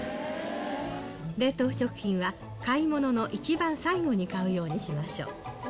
冷凍食品は、買い物の一番最後に買うようにしましょう。